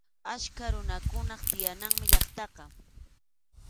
Achka runakunap tiyananmi llaqtaqa.